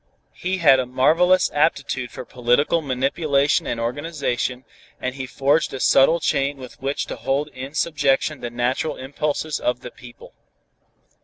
He had a marvelous aptitude for political manipulation and organization, and he forged a subtle chain with which to hold in subjection the natural impulses of the people.